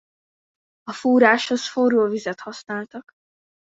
A fúráshoz forró vizet használtak.